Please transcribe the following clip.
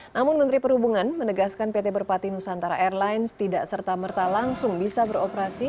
namun menteri perhubungan menegaskan pt berpati nusantara airlines tidak serta merta langsung bisa beroperasi